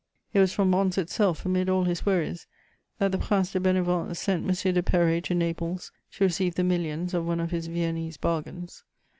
] It was from Mons itself, amid all his worries, that the Prince de Bénévent sent M. de Perray to Naples to receive the millions of one of his Viennese bargains.